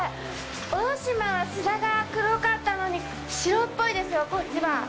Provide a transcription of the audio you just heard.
大島は砂が黒かったのに白っぽいですよ、こっちは。